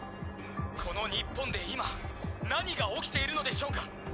この日本で今何が起きているのでしょうか！？